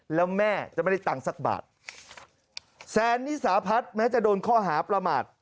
แล้วแม่จะไม่ได้ตังค์สักบาทแซนนิสาพัฒน์แม้จะโดนข้อหาประมาท